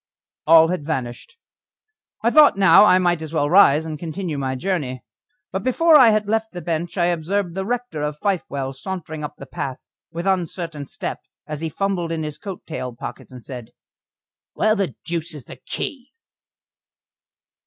All had vanished. I thought now I might as well rise and continue my journey. But before I had left the bench I observed the rector of Fifewell sauntering up the path, with uncertain step, as he fumbled in his coat tail pockets, and said: "Where the deuce is the key?"